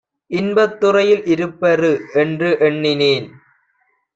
இன்பத்துறையில் இருப்பர்ரு என்று எண்ணினேன்.